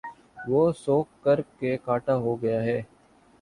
وہ سوکھ کر کانٹا ہو گیا ہے